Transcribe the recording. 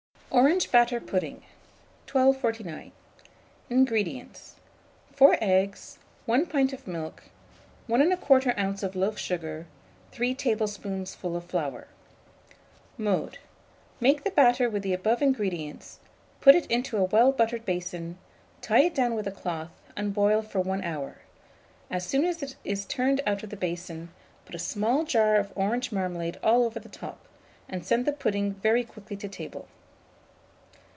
ORANGE BATTER PUDDING. 1249. INGREDIENTS. 4 eggs, 1 pint of milk, 1 1/4 oz. of loaf sugar, 3 tablespoonfuls of flour. Mode. Make the batter with the above ingredients, put it into a well buttered basin, tie it down with a cloth, and boil for 1 hour. As soon as it is turned out of the basin, put a small jar of orange marmalade all over the top, and send the pudding very quickly to table.